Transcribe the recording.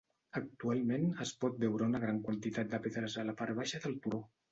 Actualment es pot veure una gran quantitat de pedres a la part baixa del turó.